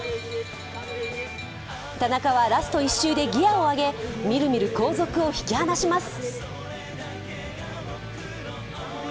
田中はラスト１周でギヤを上げみるみる後続を引き離します。